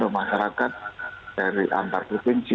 dan masyarakat dari antar kekunci